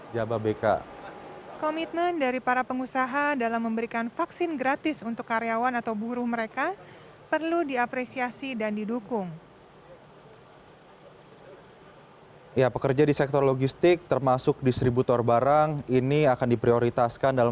jangan lupa like share dan subscribe channel ini